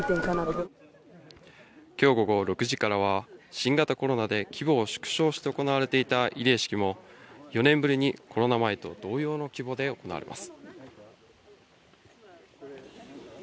きょう午後６時からは、新型コロナで規模を縮小して行われていた慰霊式も４年ぶりにコロナ前と同様の規模で行われます。